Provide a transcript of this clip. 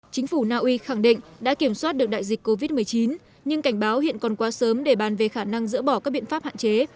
chính phủ naui khẳng định đã kiểm soát được đại dịch covid một mươi chín nhưng cảnh báo hiện còn quá sớm để bàn về khả năng dỡ bỏ các biện pháp hạn chế